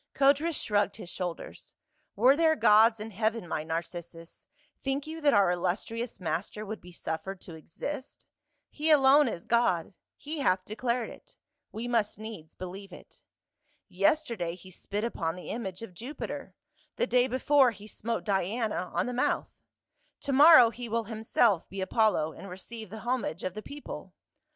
Codrus shrugged his shoulders. " Were there gods in heaven, my Narcissus, think you that our illustrious master would be suffered to exist ? He alone is god ; he hath declared it ; we must needs be lieve it. Yesterday he spit upon the image of Jupiter ; the day before he smote Diana on the mouth ; to morrow he will himself be Apollo and receive the homage of the people.